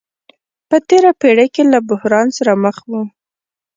په تېره پېړۍ کې له بحران سره مخ وو.